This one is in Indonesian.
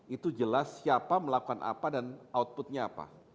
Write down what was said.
itu jelas siapa melakukan apa dan outputnya apa